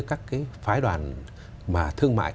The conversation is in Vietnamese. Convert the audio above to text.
các cái phái đoàn thương mại